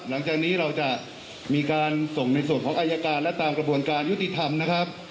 หลังจากนี้เราจะมีการส่งในส่วนของอายการและตามกระบวนการยุติธรรมนะครับ